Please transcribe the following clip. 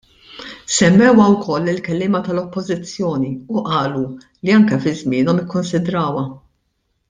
Semmewha wkoll il-kelliema tal-Oppożizzjoni u qalu li anke fi żmienhom ikkonsidrawha.